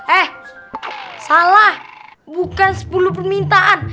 eh salah bukan sepuluh permintaan